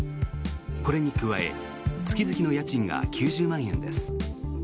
これに加え月々の家賃が９０万円です。